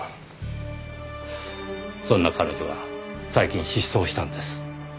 そんな彼女が最近失踪したんです。